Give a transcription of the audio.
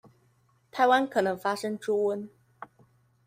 臺灣可能發生豬瘟